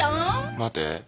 待て。